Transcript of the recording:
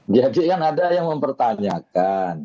jadi kan ada yang mempertanyakan